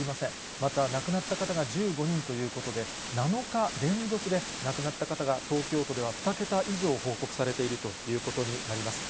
また、亡くなった方が１５人ということで、７日連続で亡くなった方が東京都では２桁以上報告されているということになります。